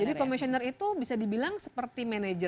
jadi komisioner itu bisa dibilang seperti manajer